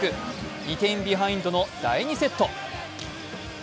２点ビハインドの第２セット。